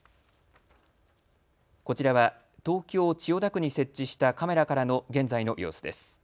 こちらは東京千代田区に設置したカメラからの現在の様子です。